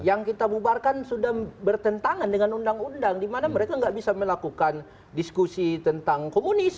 yang kita bubarkan sudah bertentangan dengan undang undang di mana mereka tidak bisa melakukan diskusi tentang komunis